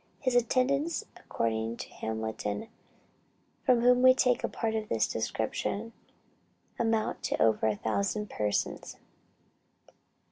His attendants, according to Hamilton, from whom we take a part of this description, amount to over a thousand persons.